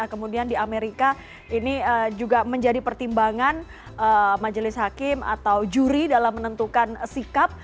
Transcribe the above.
kemudian di amerika ini juga menjadi pertimbangan majelis hakim atau juri dalam menentukan sikap